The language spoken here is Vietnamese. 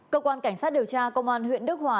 cơ quan cảnh sát điều tra công an huyện đức hòa